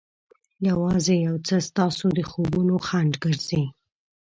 یوازې یو څه ستاسو د خوبونو خنډ ګرځي.